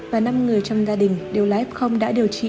và năm người trong gia đình đều live không đã điều trị